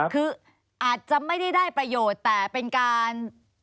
คืออาจจะไม่ได้ได้ประโยชน์แต่เป็นการ